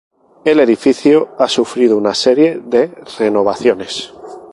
El edificio ha sufrido una serie de renovaciones.